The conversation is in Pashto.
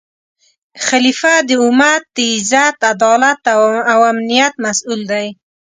خلیفه د امت د عزت، عدالت او امنیت مسؤل دی